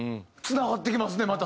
つながってきますね